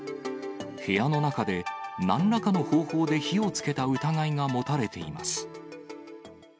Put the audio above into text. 部屋の中で、なんらかの方法で火をつけた疑いが持たれています。